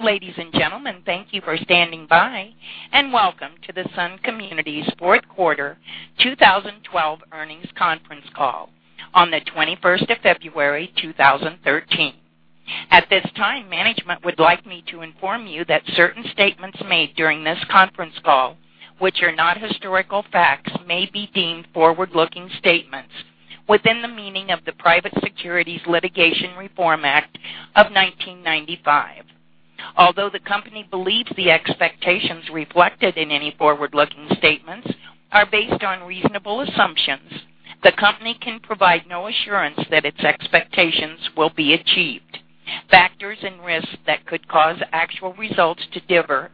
Ladies and gentlemen, thank you for standing by, and welcome to the Sun Communities fourth quarter 2012 Earnings Conference Call on the 21st of February, 2013. At this time, management would like me to inform you that certain statements made during this conference call, which are not historical facts, may be deemed forward-looking statements within the meaning of the Private Securities Litigation Reform Act of 1995. Although the company believes the expectations reflected in any forward-looking statements are based on reasonable assumptions, the company can provide no assurance that its expectations will be achieved. Factors and risks that could cause actual results to differ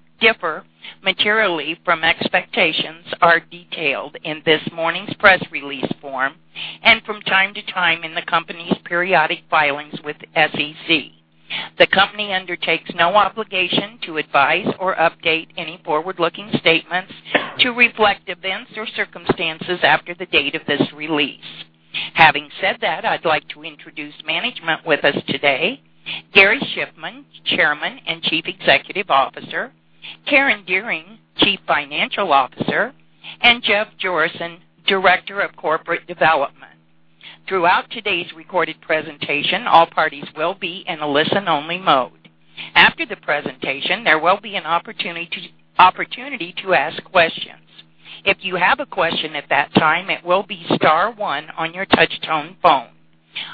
materially from expectations are detailed in this morning's press release form and from time to time in the company's periodic filings with SEC. The company undertakes no obligation to advise or update any forward-looking statements to reflect events or circumstances after the date of this release. Having said that, I'd like to introduce management with us today: Gary Shiffman, Chairman, and Chief Executive Officer, Karen Dearing, Chief Financial Officer, and Jeff Jorissen, Director of Corporate Development. Throughout today's recorded presentation, all parties will be in a listen-only mode. After the presentation, there will be an opportunity to ask questions. If you have a question at that time, it will be star one on your touch-tone phone.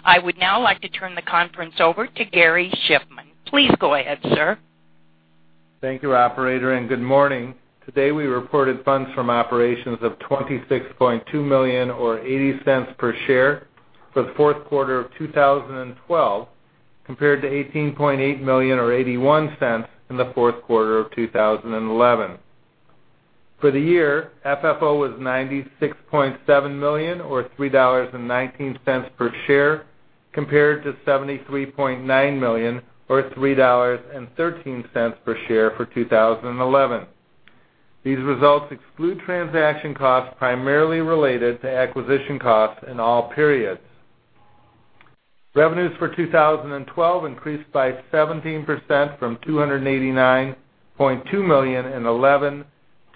I would now like to turn the conference over to Gary Shiffman. Please go ahead, sir. Thank you, Operator, and good morning. Today we reported funds from operations of $26.2 million, or $0.80 per share, for the fourth quarter of 2012, compared to $18.8 million, or $0.81, in the fourth quarter of 2011. For the year, FFO was $96.7 million, or $3.19 per share, compared to $73.9 million, or $3.13 per share for 2011. These results exclude transaction costs primarily related to acquisition costs in all periods. Revenues for 2012 increased by 17% from $289.2 million in 2011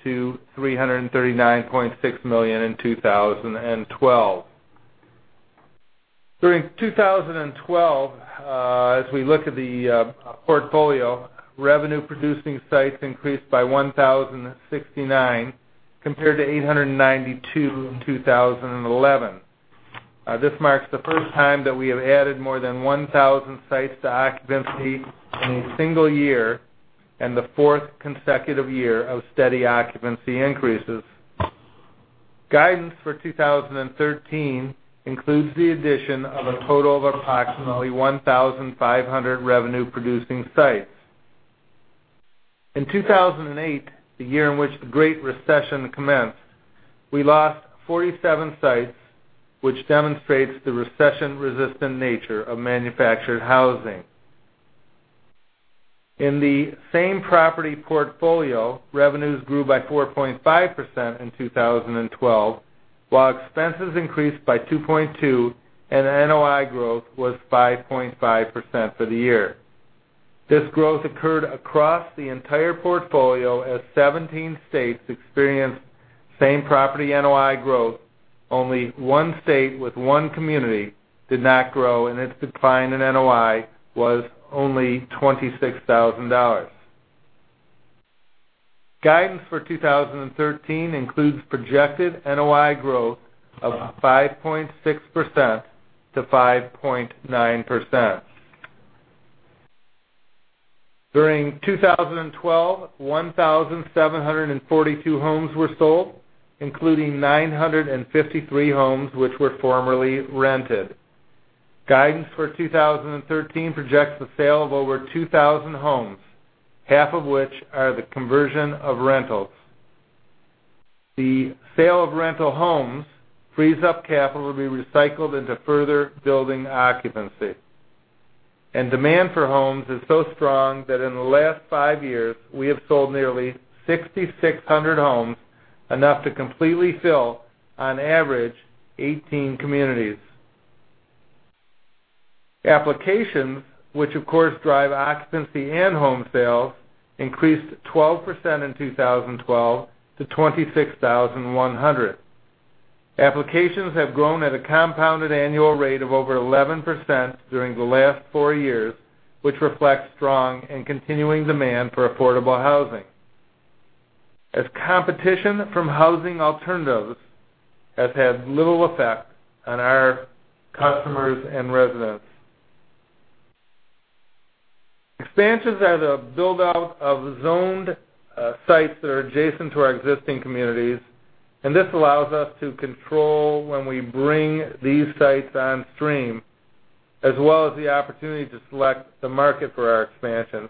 to $339.6 million in 2012. During 2012, as we look at the portfolio, revenue-producing sites increased by 1,069 compared to 892 in 2011. This marks the first time that we have added more than 1,000 sites to occupancy in a single year and the fourth consecutive year of steady occupancy increases. Guidance for 2013 includes the addition of a total of approximately 1,500 revenue-producing sites. In 2008, the year in which the Great Recession commenced, we lost 47 sites, which demonstrates the recession-resistant nature of manufactured housing. In the same property portfolio, revenues grew by 4.5% in 2012, while expenses increased by 2.2%, and NOI growth was 5.5% for the year. This growth occurred across the entire portfolio as 17 states experienced same property NOI growth. Only one state with one community did not grow, and its decline in NOI was only $26,000. Guidance for 2013 includes projected NOI growth of 5.6%-5.9%. During 2012, 1,742 homes were sold, including 953 homes which were formerly rented. Guidance for 2013 projects the sale of over 2,000 homes, half of which are the conversion of rentals. The sale of rental homes frees up capital to be recycled into further building occupancy. Demand for homes is so strong that in the last five years, we have sold nearly 6,600 homes, enough to completely fill, on average, 18 communities. Applications, which of course drive occupancy, and home sales, increased 12% in 2012 to 26,100. Applications have grown at a compounded annual rate of over 11% during the last four years, which reflects strong and continuing demand for affordable housing. As competition from housing alternatives has had little effect on our customers and residents, expansions are the build-out of zoned sites that are adjacent to our existing communities, and this allows us to control when we bring these sites on stream, as well as the opportunity to select the market for our expansions.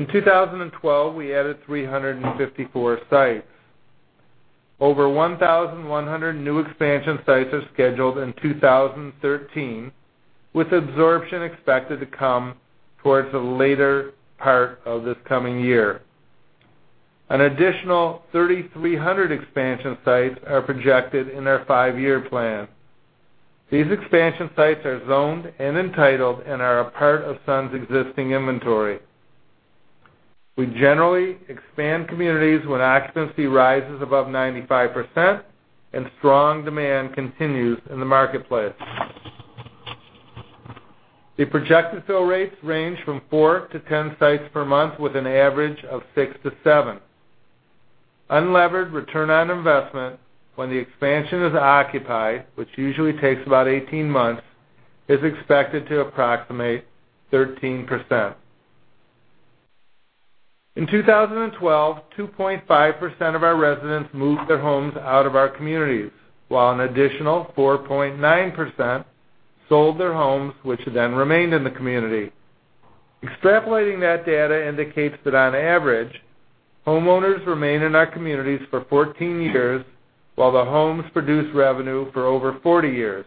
In 2012, we added 354 sites. Over 1,100 new expansion sites are scheduled in 2013, with absorption expected to come towards the later part of this coming year. An additional 3,300 expansion sites are projected in our five-year plan. These expansion sites are zoned and entitled and are a part of Sun's existing inventory. We generally expand communities when occupancy rises above 95% and strong demand continues in the marketplace. The projected fill rates range from 4-10 sites per month, with an average of 6-7. Unlevered return on investment when the expansion is occupied, which usually takes about 18 months, is expected to approximate 13%. In 2012, 2.5% of our residents moved their homes out of our communities, while an additional 4.9% sold their homes, which then remained in the community. Extrapolating that data indicates that, on average, homeowners remain in our communities for 14 years, while the homes produce revenue for over 40 years.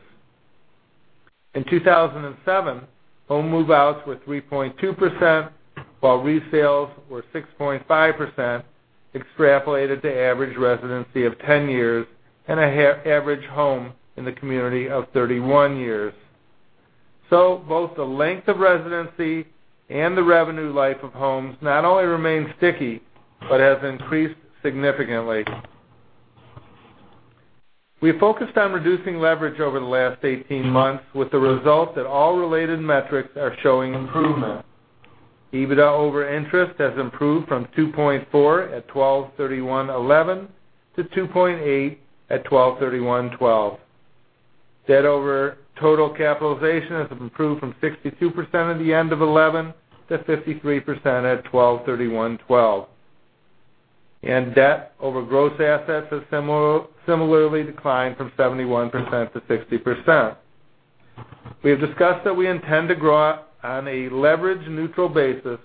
In 2007, home move-outs were 3.2%, while resales were 6.5%, extrapolated to average residency of 10 years, and an average home in the community of 31 years. So both the length of residency and the revenue life of homes not only remain sticky but have increased significantly. We focused on reducing leverage over the last 18 months, with the result that all related metrics are showing improvement. EBITDA over interest has improved from 2.4 at 12/31/2011 to 2.8 at 12/31/2012. Debt over total capitalization has improved from 62% at the end of 2011 to 53% at 12/31/2012. And debt over gross assets has similarly declined from 71% to 60%. We have discussed that we intend to grow on a leverage-neutral basis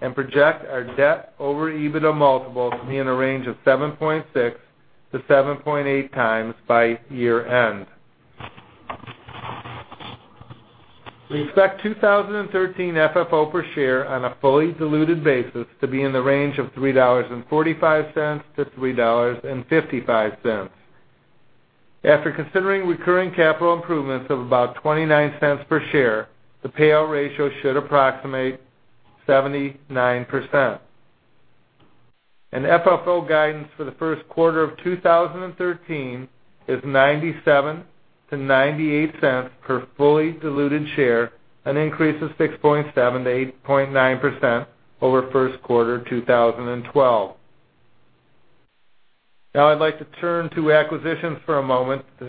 and project our debt over EBITDA multiple to be in a range of 7.6-7.8x by year-end. We expect 2013 FFO per share on a fully diluted basis to be in the range of $3.45-$3.55. After considering recurring capital improvements of about $0.29 per share, the payout ratio should approximate 79%. FFO guidance for the first quarter of 2013 is $0.97-$0.98 per fully diluted share, an increase of 6.7%-8.9% over first quarter 2012. Now I'd like to turn to acquisitions for a moment, as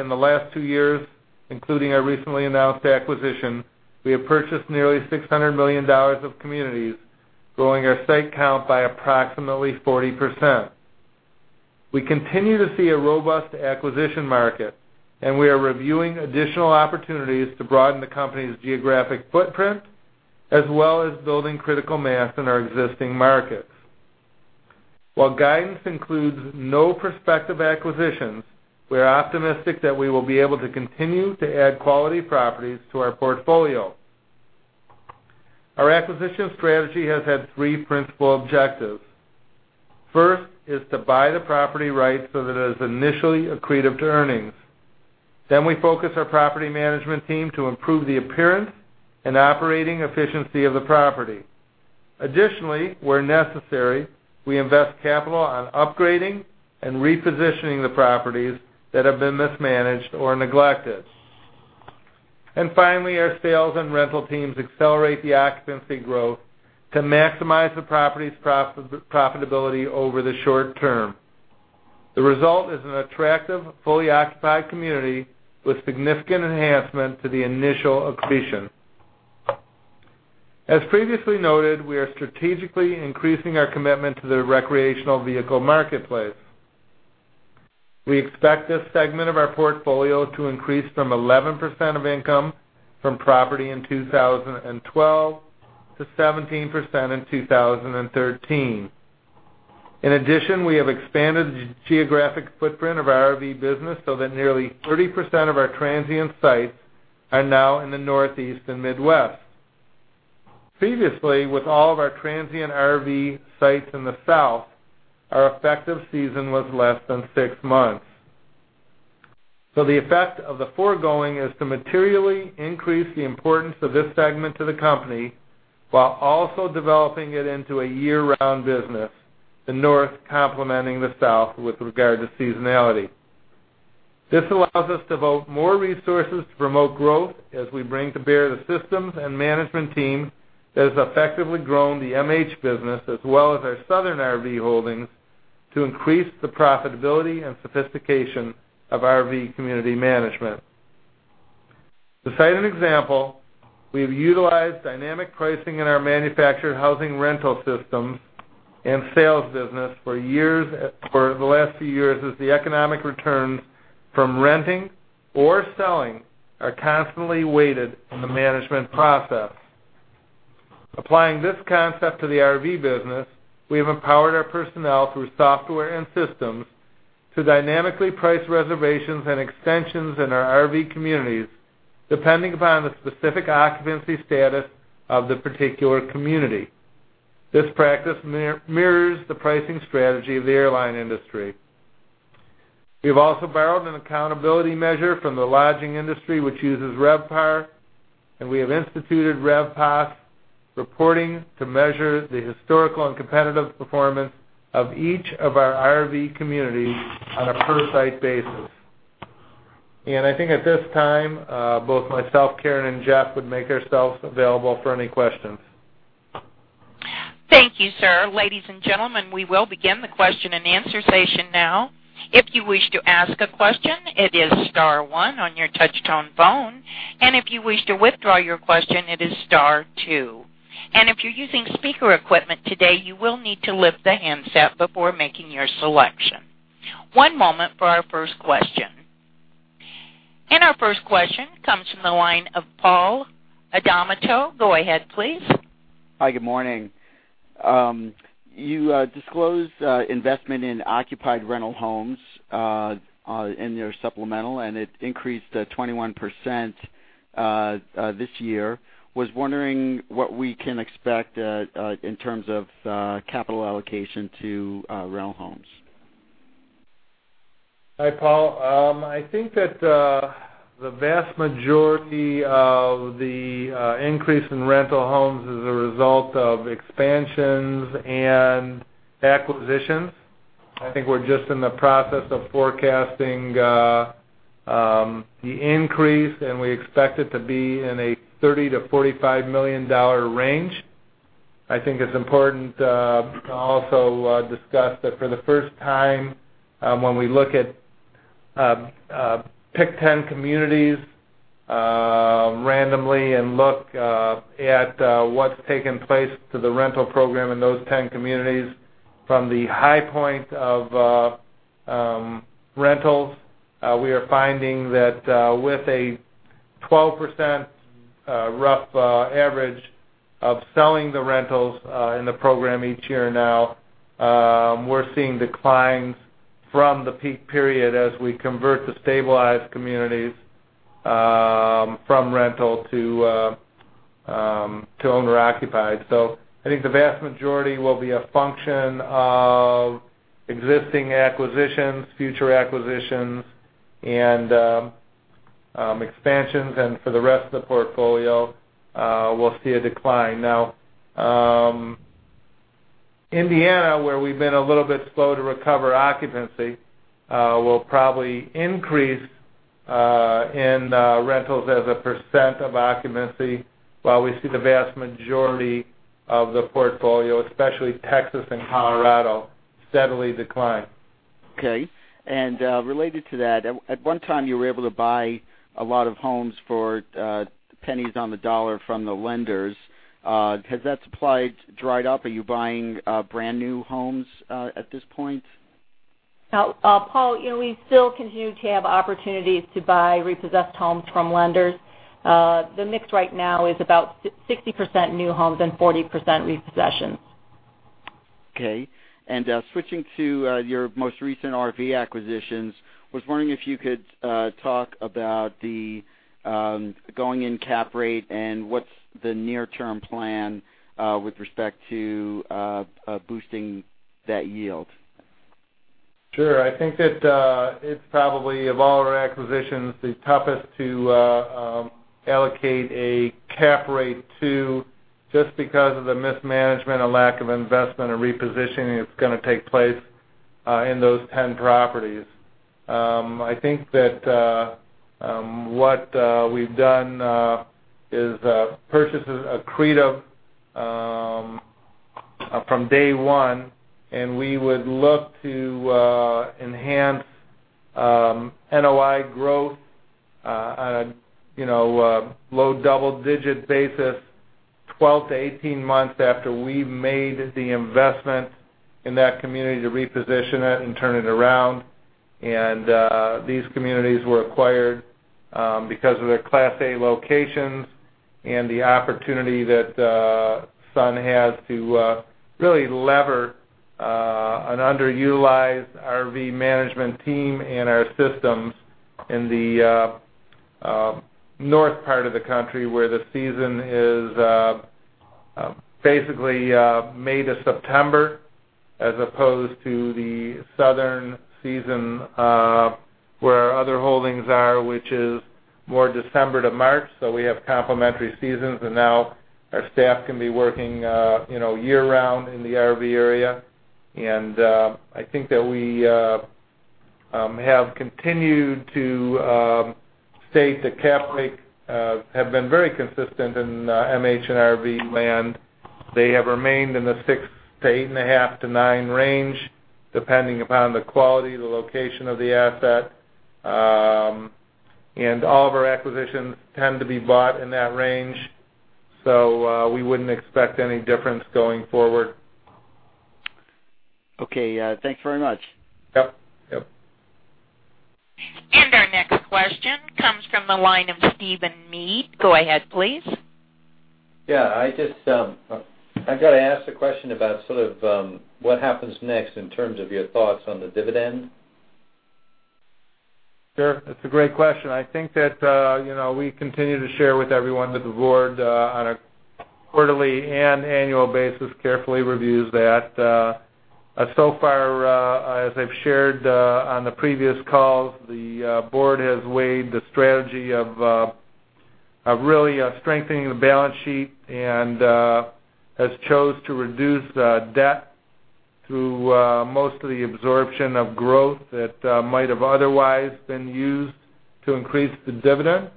in the last two years, including our recently announced acquisition, we have purchased nearly $600 million of communities, growing our site count by approximately 40%. We continue to see a robust acquisition market, and we are reviewing additional opportunities to broaden the company's geographic footprint, as well as building critical mass in our existing markets. While guidance includes no prospective acquisitions, we are optimistic that we will be able to continue to add quality properties to our portfolio. Our acquisition strategy has had three principal objectives. First is to buy the property right so that it is initially accretive to earnings. Then we focus our property management team to improve the appearance and operating efficiency of the property. Additionally, where necessary, we invest capital on upgrading and repositioning the properties that have been mismanaged or neglected. And finally, our sales and rental teams accelerate the occupancy growth to maximize the property's profitability over the short term. The result is an attractive, fully occupied community with significant enhancement to the initial accretion. As previously noted, we are strategically increasing our commitment to the recreational vehicle marketplace. We expect this segment of our portfolio to increase from 11% of income from property in 2012 to 17% in 2013. In addition, we have expanded the geographic footprint of our RV business so that nearly 30% of our transient sites are now in the Northeast and Midwest. Previously, with all of our transient RV sites in the South, our effective season was less than six months. So the effect of the foregoing is to materially increase the importance of this segment to the company while also developing it into a year-round business, the North complementing the South with regard to seasonality. This allows us to devote more resources to promote growth as we bring to bear the systems and management team that has effectively grown the MH business, as well as our southern RV holdings, to increase the profitability and sophistication of RV community management. To cite an example, we have utilized dynamic pricing in our manufactured housing rental systems, and sales business for the last few years as the economic returns from renting or selling are constantly weighed in the management process. Applying this concept to the RV business, we have empowered our personnel through software and systems to dynamically price reservations and extensions in our RV communities, depending upon the specific occupancy status of the particular community. This practice mirrors the pricing strategy of the airline industry. We have also borrowed an accountability measure from the lodging industry, which uses RevPAR, and we have instituted RevPAS reporting to measure the historical and competitive performance of each of our RV communities on a per-site basis. I think at this time, both myself, Karen, and Jeff would make ourselves available for any questions. Thank you, sir. Ladies and gentlemen, we will begin the question and answer session now. If you wish to ask a question, it is star one on your touch-tone phone, and if you wish to withdraw your question, it is star two. And if you're using speaker equipment today, you will need to lift the handset before making your selection. One moment for our first question. Our first question comes from the line of Paul Adornato. Go ahead, please. Hi, good morning. You disclosed investment in occupied rental homes in your supplemental, and it increased 21% this year. I was wondering what we can expect in terms of capital allocation to rental homes. Hi, Paul. I think that the vast majority of the increase in rental homes is a result of expansions and acquisitions. I think we're just in the process of forecasting the increase, and we expect it to be in a $30 million-$45 million range. I think it's important to also discuss that for the first time, when we look at pick 10 communities randomly and look at what's taken place to the rental program in those 10 communities from the high point of rentals, we are finding that with a 12% rough average of selling the rentals in the program each year now, we're seeing declines from the peak period as we convert the stabilized communities from rental to owner-occupied. So I think the vast majority will be a function of existing acquisitions, future acquisitions, and expansions, and for the rest of the portfolio, we'll see a decline. Now, Indiana, where we've been a little bit slow to recover occupancy, will probably increase in rentals as a percent of occupancy, while we see the vast majority of the portfolio, especially Texas and Colorado, steadily decline. Okay. And related to that, at one time, you were able to buy a lot of homes for pennies on the dollar from the lenders. Has that supply dried up? Are you buying brand new homes at this point? Paul, we still continue to have opportunities to buy repossessed homes from lenders. The mix right now is about 60% new homes and 40% repossessions. Okay. Switching to your most recent RV acquisitions, I was wondering if you could talk about the going-in cap rate and what's the near-term plan with respect to boosting that yield. Sure. I think that it's probably, of all our acquisitions, the toughest to allocate a cap rate to, just because of the mismanagement and lack of investment and repositioning that's going to take place in those 10 properties. I think that what we've done is purchase accretive from day one, and we would look to enhance NOI growth on a low double-digit basis 12-18 months after we've made the investment in that community to reposition it and turn it around. And these communities were acquired because of their Class A locations and the opportunity that Sun has to really lever an underutilized RV management team and our systems in the north part of the country where the season is basically May to September, as opposed to the southern season where our other holdings are, which is more December to March. We have complementary seasons, and now our staff can be working year-round in the RV area. I think that we have continued to state the cap rate has been very consistent in MH and RV land. They have remained in the 6-8 and 8.5-9 range, depending upon the quality, the location of the asset. All of our acquisitions tend to be bought in that range, so we wouldn't expect any difference going forward. Okay. Thanks very much. Yep. Yep. Our next question comes from the line of Steven Mead. Go ahead, please. Yeah. I got to ask the question about sort of what happens next in terms of your thoughts on the dividend. Sure. That's a great question. I think that we continue to share with everyone that the board, on a quarterly and annual basis, carefully reviews that. So far, as I've shared on the previous calls, the board has weighed the strategy of really strengthening the balance sheet and has chosen to reduce debt through most of the absorption of growth that might have otherwise been used to increase the dividend.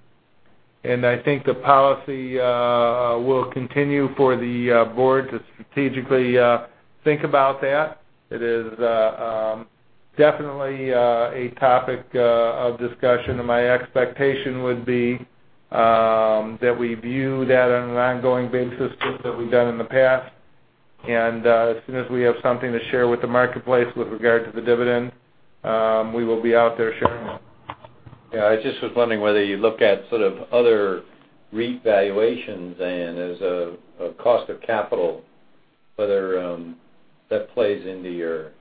I think the policy will continue for the board to strategically think about that. It is definitely a topic of discussion, and my expectation would be that we view that on an ongoing basis as we've done in the past. As soon as we have something to share with the marketplace with regard to the dividend, we will be out there sharing it. Yeah. I just was wondering whether you look at sort of other revaluations and as a cost of capital, whether that plays into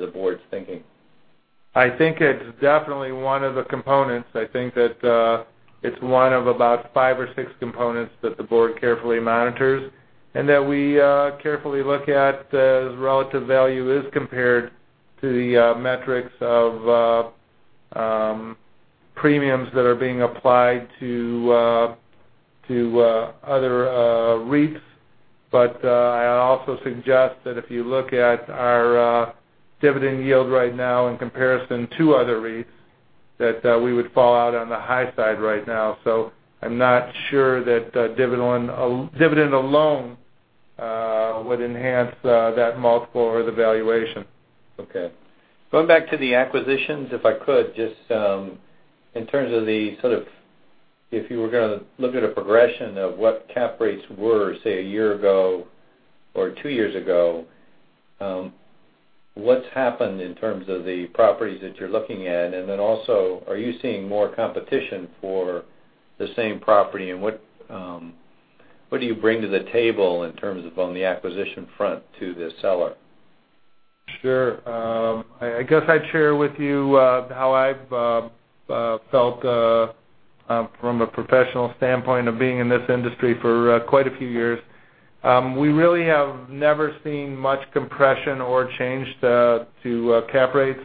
the board's thinking? I think it's definitely one of the components. I think that it's one of about five or six components that the board carefully monitors and that we carefully look at as relative value is compared to the metrics of premiums that are being applied to other REITs. But I also suggest that if you look at our dividend yield right now in comparison to other REITs, that we would fall out on the high side right now. So I'm not sure that dividend alone would enhance that multiple or the valuation. Okay. Going back to the acquisitions, if I could, just in terms of the sort of if you were going to look at a progression of what cap rates were, say, a year ago or two years ago, what's happened in terms of the properties that you're looking at? And then also, are you seeing more competition for the same property? And what do you bring to the table in terms of on the acquisition front to the seller? Sure. I guess I'd share with you how I've felt from a professional standpoint of being in this industry for quite a few years. We really have never seen much compression or change to cap rates.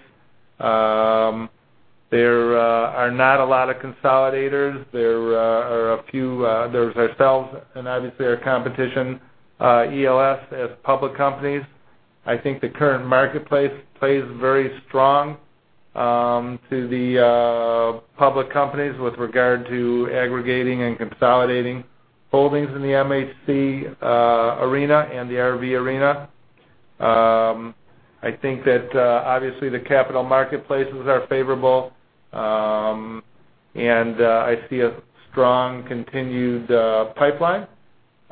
There are not a lot of consolidators. There are a few. There's ourselves and obviously our competition, ELS, as public companies. I think the current marketplace plays very strong to the public companies with regard to aggregating and consolidating holdings in the MHC arena and the RV arena. I think that obviously the capital marketplaces are favorable, and I see a strong continued pipeline.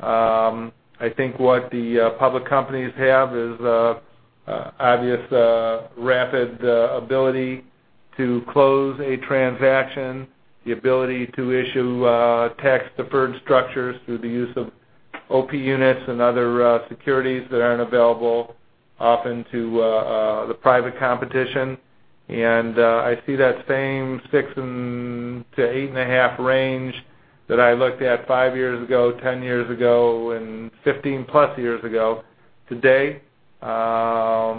I think what the public companies have is obvious rapid ability to close a transaction, the ability to issue tax-deferred structures through the use of OP units and other securities that aren't available often to the private competition. I see that same 6-8.5 range that I looked at 5 years ago, 10 years ago, and 15+ years ago today. Not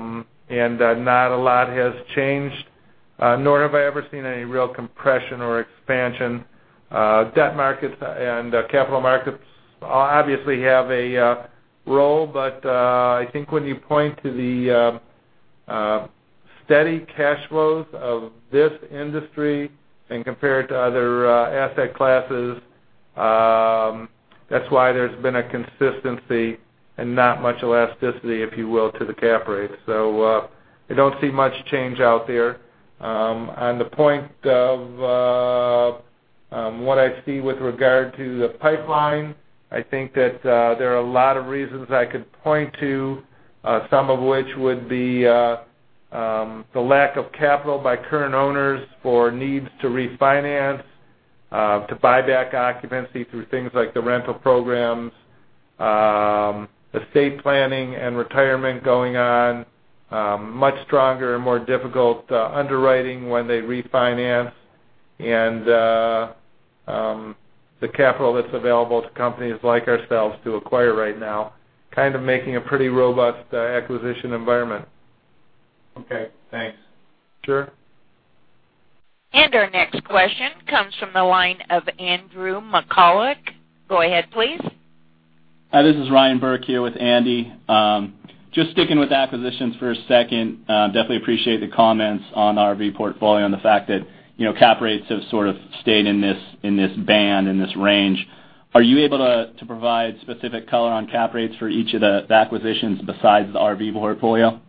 a lot has changed, nor have I ever seen any real compression or expansion. Debt markets and capital markets obviously have a role, but I think when you point to the steady cash flows of this industry and compare it to other asset classes, that's why there's been a consistency and not much elasticity, if you will, to the Cap Rate. So I don't see much change out there. On the point of what I see with regard to the pipeline, I think that there are a lot of reasons I could point to, some of which would be the lack of capital by current owners for needs to refinance, to buy back occupancy through things like the rental programs, estate planning, and retirement going on, much stronger and more difficult underwriting when they refinance, and the capital that's available to companies like ourselves to acquire right now, kind of making a pretty robust acquisition environment. Okay. Thanks. Sure. Our next question comes from the line of Andrew McCulloch. Go ahead, please. Hi, this is Ryan Burke here with Andy. Just sticking with acquisitions for a second, definitely appreciate the comments on RV portfolio and the fact that cap rates have sort of stayed in this band, in this range. Are you able to provide specific color on cap rates for each of the acquisitions besides the RV portfolio?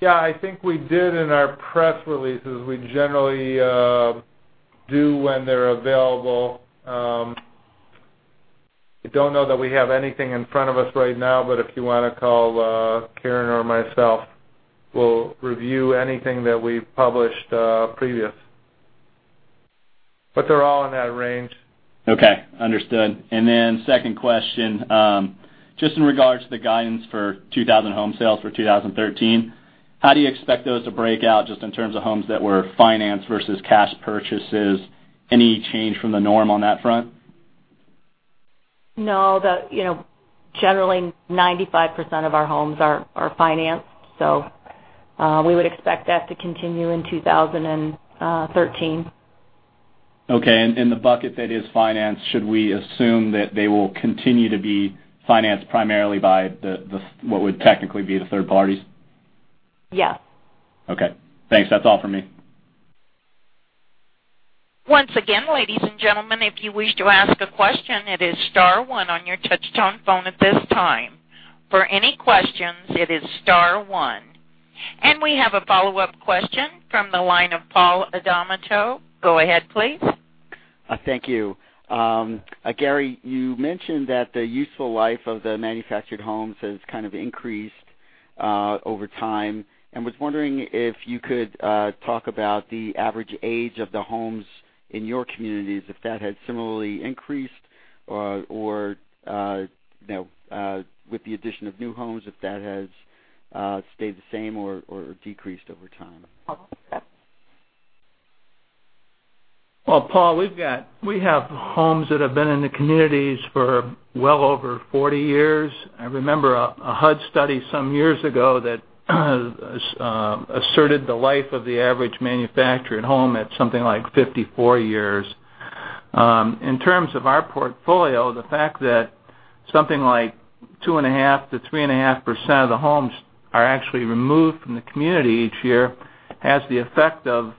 Yeah. I think we did in our press releases. We generally do when they're available. I don't know that we have anything in front of us right now, but if you want to call Karen or myself, we'll review anything that we've published previous. But they're all in that range. Okay. Understood. And then second question, just in regards to the guidance for 2,000 home sales for 2013, how do you expect those to break out just in terms of homes that were financed versus cash purchases? Any change from the norm on that front? No. Generally, 95% of our homes are financed, so we would expect that to continue in 2013. Okay. And the bucket that is financed, should we assume that they will continue to be financed primarily by what would technically be the third parties? Yes. Okay. Thanks. That's all for me. Once again, ladies and gentlemen, if you wish to ask a question, it is star one on your touch-tone phone at this time. For any questions, it is star one. We have a follow-up question from the line of Paul Adornato. Go ahead, please. Thank you. Gary, you mentioned that the useful life of the manufactured homes has kind of increased over time. And was wondering if you could talk about the average age of the homes in your communities, if that has similarly increased, or with the addition of new homes, if that has stayed the same or decreased over time? Well, Paul, we have homes that have been in the communities for well over 40 years. I remember a HUD study some years ago that asserted the life of the average manufactured home at something like 54 years. In terms of our portfolio, the fact that something like 2.5%-3.5% of the homes are actually removed from the community each year has the effect of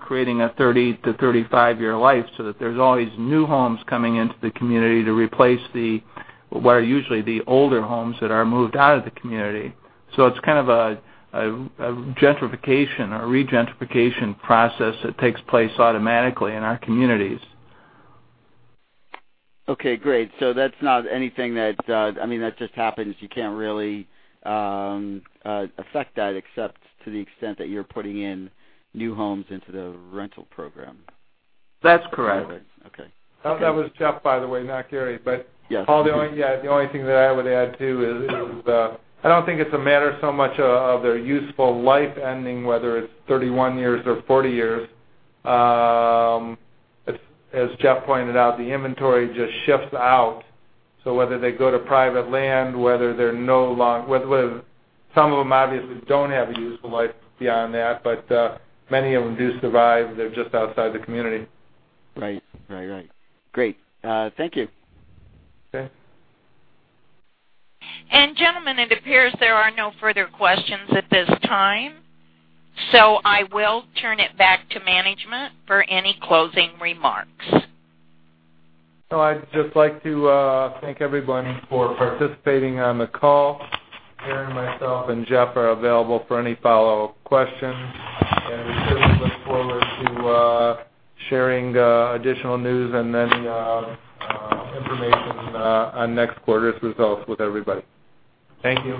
creating a 30-35-year life so that there's always new homes coming into the community to replace what are usually the older homes that are moved out of the community. So it's kind of a gentrification or regentrification process that takes place automatically in our communities. Okay. Great. So that's not anything that I mean, that just happens. You can't really affect that except to the extent that you're putting in new homes into the rental program. That's correct. Okay. That was Jeff, by the way, not Gary. But Paul, the only thing that I would add too is I don't think it's a matter so much of their useful life ending, whether it's 31 years or 40 years. As Jeff pointed out, the inventory just shifts out. So whether they go to private land, whether they're no longer some of them obviously don't have a useful life beyond that, but many of them do survive. They're just outside the community. Right. Right. Right. Great. Thank you. Okay. Gentlemen, it appears there are no further questions at this time. I will turn it back to management for any closing remarks. I'd just like to thank everybody for participating on the call. Gary, myself, and Jeff are available for any follow-up questions. We certainly look forward to sharing additional news and then information on next quarter's results with everybody. Thank you.